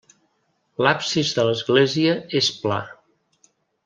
L'absis de l'església és pla.